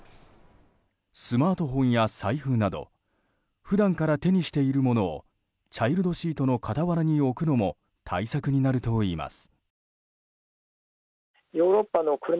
スマートフォンや財布など普段から手にしているものをチャイルドシートの傍らに置くのも対策になるといいます。